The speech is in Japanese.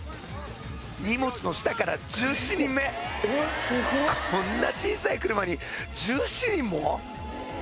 荷物の下から１７人目こんな小さい車に１７人も！？